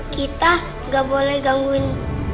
kita gak boleh gangguin